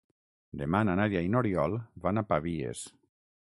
Demà na Nàdia i n'Oriol van a Pavies.